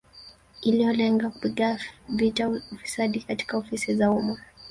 Iliyolenga kupiga vita ufisadi katika ofisi za umma